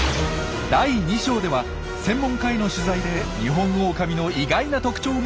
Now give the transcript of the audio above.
第２章では専門家への取材でニホンオオカミの意外な特徴が明らかに。